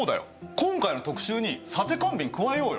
今回の特集にサテカンビン加えようよ。